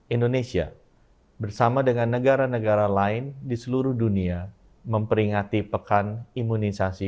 indonesia bersama dengan negara negara lain di seluruh dunia memperingati pekan imunisasi